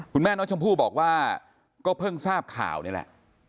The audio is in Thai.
คุณแม่น้องชมพู่บอกว่าก็เพิ่งทราบข่าวนี่แหละ